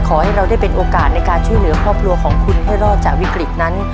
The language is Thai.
ขอให้เราได้เป็นโอกาสในการช่วยเหลือครอบครัวของคุณให้รอดจากวิกฤตนั้น